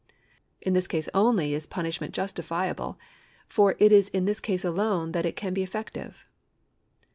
In this case only is punishment justifiable, for it is in this case alone that it can be effective.